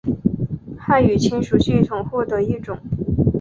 汉语亲属系统或的一种。